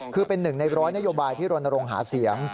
คือเป็นหนึ่งในร้อยนโยบายที่รณรงค์หาเสียง